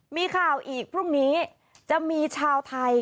มีข่าวอีกพรุ่งนี้จะมีชาวไทย